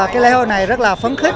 cái lễ hội này rất là phấn khích